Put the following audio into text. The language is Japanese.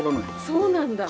そうなんだ。